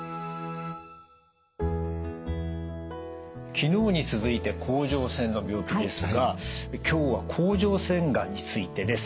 昨日に続いて甲状腺の病気ですが今日は甲状腺がんについてです。